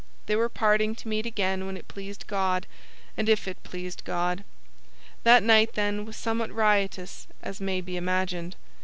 They were parting to meet again when it pleased God, and if it pleased God. That night, then, was somewhat riotous, as may be imagined.